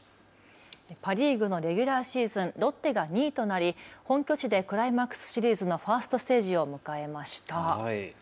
パ・リーグのレギュラーシーズン、ロッテが２位となり本拠地でクライマックスシリーズのファーストステージを迎えました。